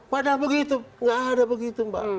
padahal begitu nggak ada begitu mbak